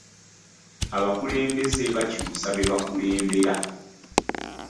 Abakulembeze bakyusa be bakulembera.